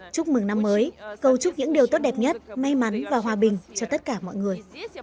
chúc mừng năm mới cầu chúc những điều tốt đẹp nhất may mắn và hòa bình cho tất cả mọi người